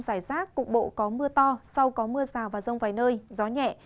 mưa rào và rông rải rác cục bộ có mưa to sau có mưa rào và rông vài nơi gió nhẹ